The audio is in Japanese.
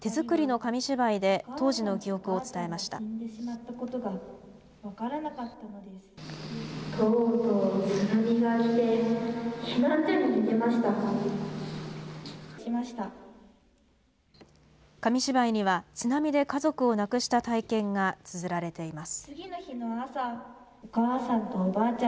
紙芝居には、津波で家族を亡くした体験がつづられています。